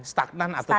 stagnan atau turun